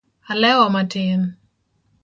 alewo matin